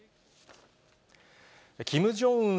キム・ジョンウン